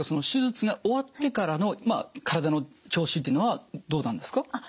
手術が終わってからの体の調子っていうのはどうなんですか？